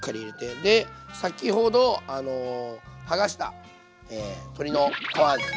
で先ほど剥がした鶏の皮ですね。